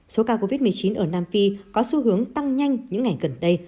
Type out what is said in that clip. biến thể omicron ở nam phi có xu hướng tăng nhanh những ngày gần đây